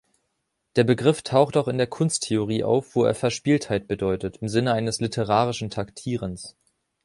Der Begriff taucht auch in der Kunsttheorie auf, wo er Verspieltheit bedeutet, im Sinne eines „literarischen Taktierens“.